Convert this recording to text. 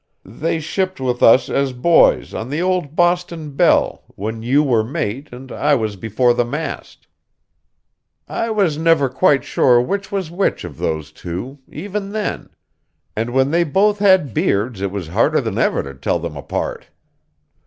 They shipped with us as boys on the old Boston Belle, when you were mate and I was before the mast. I never was quite sure which was which of those two, even then; and when they both had beards it was harder than ever to tell them apart.